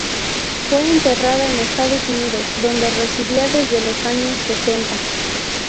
Fue enterrada en Estados Unidos, donde residía desde de los años sesenta.